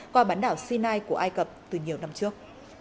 qua bán đảo sinai của ai cập từ nhiều năm trước